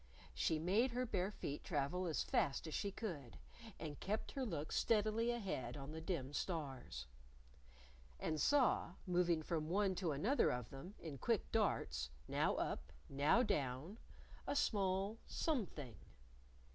She made her bare feet travel as fast as she could, and kept her look steadily ahead on the dim stars. And saw, moving from one to another of them, in quick darts now up, now down a small Something.